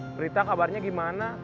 berita kabarnya gimana